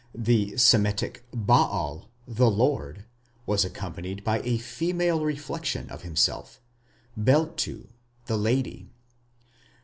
The "Semitic" Baal, "the lord", was accompanied by a female reflection of himself Beltu, "the lady".